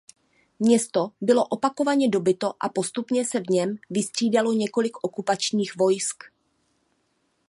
Město bylo opakovaně dobyto a postupně se v něm vystřídalo několik okupačních vojsk.